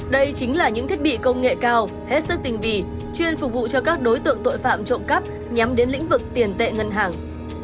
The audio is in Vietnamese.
đây chính là những thiết bị công nghệ cao hết sức tình bì chuyên phục vụ cho các đối tượng tội phạm trộm cắp nhắm đến lĩnh vực tiền tệ ngân hàng